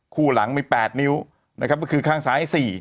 คู่หลังมี๘นิ้วนะครับก็คือข้างซ้าย๔